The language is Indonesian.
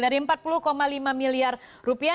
dari empat puluh lima miliar rupiah